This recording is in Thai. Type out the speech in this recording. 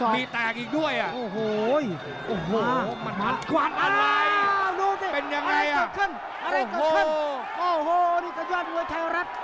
โอ้โหนี่ก็ยอดมวยไทยรัฐ